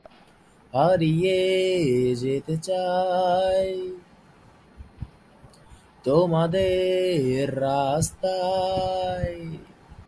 ফলশ্রুতিতে, তাকে চুক্তিতে নেয়া হয়নি।